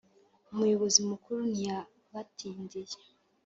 umuyobozi mukuru ntiyabatindiye